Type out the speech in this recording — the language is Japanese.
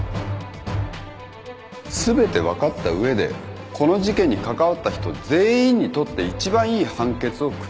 全て分かった上でこの事件に関わった人全員にとって一番いい判決を下したい。